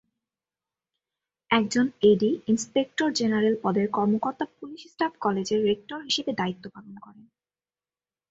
একজন AD: inspector general পদের কর্মকর্তা পুলিশ স্টাফ কলেজের রেক্টর হিসেবে দায়িত্ব পালন করেন।